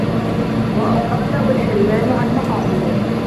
وَأَضَلَّهُ الْحِرْمَانُ عَنْ مَقَاصِدِهِ